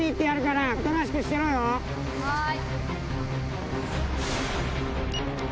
はい。